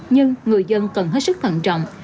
nhưng người dân cần hết sức thận trọng